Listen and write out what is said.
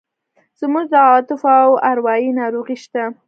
زموږ د عواطفو او اروایي ناروغۍ شته.